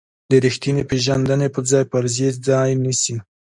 د ریښتینې پېژندنې په ځای فرضیې ځای نیسي.